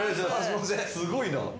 すごいな。